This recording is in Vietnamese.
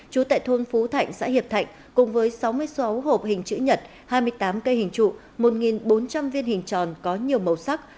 trú tại thôn phú thạnh xã hiệp thạnh cùng với sáu mươi sáu hộp hình chữ nhật hai mươi tám cây hình trụ một bốn trăm linh viên hình tròn có nhiều màu sắc